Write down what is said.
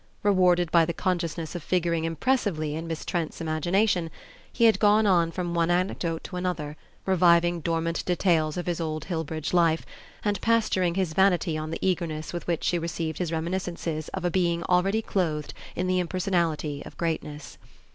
Rewarded by the consciousness of figuring impressively in Miss Trent's imagination he had gone on from one anecdote to another, reviving dormant details of his old Hillbridge life, and pasturing his vanity on the eagerness with which she received his reminiscences of a being already clothed in the impersonality of greatness.